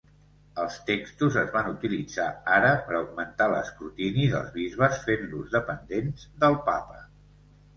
Els textos es van utilitzar ara per augmentar l'escrutini dels bisbes, fent-los dependents del papa.